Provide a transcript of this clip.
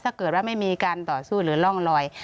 ถ้าเกิดว่าไม่มีการต่อสู้หรือร่องลอย